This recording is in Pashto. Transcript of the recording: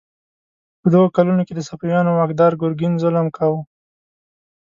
په دغو کلونو کې د صفویانو واکدار ګرګین ظلم کاوه.